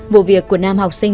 vụ việc của nam học sinh